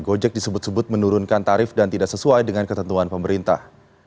gojek disebut sebut menurunkan tarif dan tidak sesuai dengan ketentuan pemerintah